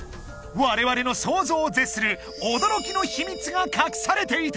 我々の想像を絶する驚きの秘密が隠されていた！